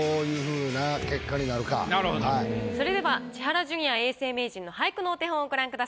それでは千原ジュニア永世名人の俳句のお手本をご覧ください。